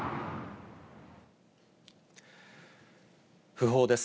訃報です。